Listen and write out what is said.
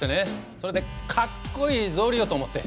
それでかっこいい草履をと思って。